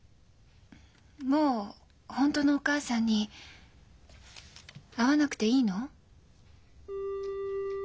もう本当のお母さんに会わなくていいの？